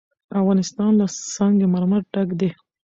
افغانستان له سنگ مرمر ډک دی.